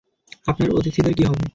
আপনার অতিথিদের কি হবে?